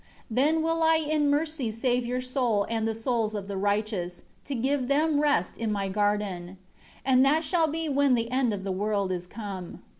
6 Then will I in mercy save your soul and the souls of the righteous, to give them rest in My garden. And that shall be when the end of the world is come.